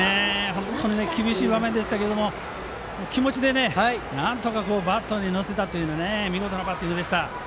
本当に厳しい場面でしたが気持ちでなんとかバットに乗せた見事なバッティングでしたね。